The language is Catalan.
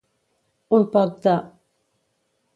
Un poc de.